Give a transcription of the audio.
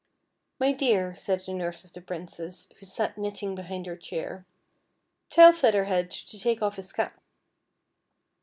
"My dear," said the nurse of the Princess, who sat knitting behind her chair, " tell Feather Head to take off his cap."